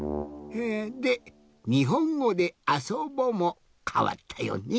で「にほんごであそぼ」もかわったよね。